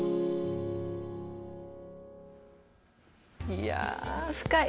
いや、深い。